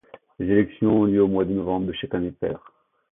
Les élections ont lieu au mois de novembre de chaque année paire.